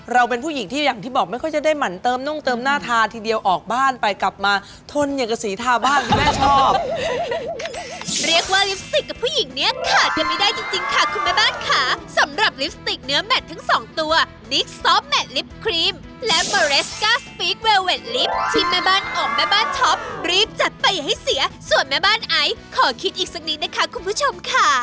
เราเป็นผู้หญิงที่อย่างที่บอกไม่ค่อยจะได้หมั่นเติมน่องเติมหน้าทาทีเดียวออกบ้านไปกลับมาทนอย่างกับสีทาบ้านที่แม่ชอบ